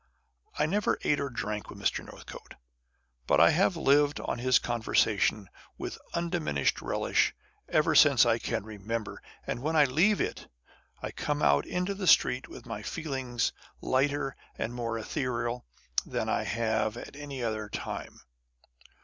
I never ate or drank with Mr. Northcote ; but I have lived on his conversation with undiminished relish ever since I can remember, and when I leave it, I come out into the street witli feelings lighter and more ethereal than I have at any other time.